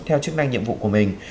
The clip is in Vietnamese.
theo chức năng nhiệm vụ của mình